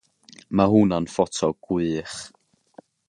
Mae hwnna'n ffoto gwych.